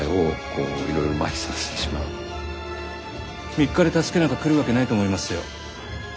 ３日で助けなんか来るわけないと思いますよ。